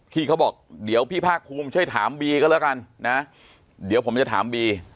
ที่เขาบอกเดี๋ยวพี่ภาคภูมิช่วยถามบีก็แล้วกันนะเดี๋ยวผมจะถามบี